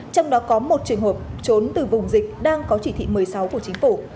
trong đó có một trường hợp trốn từ vùng dịch đang có chỉ thị một mươi sáu của chính phủ